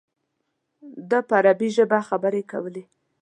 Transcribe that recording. ده په عربي ژبه خبرې کولې.